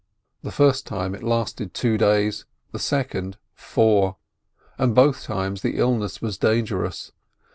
The first time it lasted two days, the second, four, and both times the illness was dangerous.